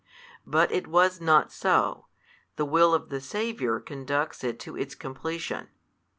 But it was not so, the will of the Saviour conducts it to its completion.